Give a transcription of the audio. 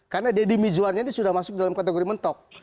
karena deddy mizwarnya ini sudah masuk dalam kategori mentok